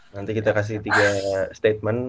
nanti kita kasih tiga statement